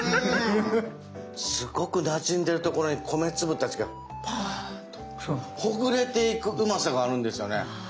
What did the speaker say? すごくなじんでるところに米粒たちがパーッとほぐれていくうまさがあるんですよね。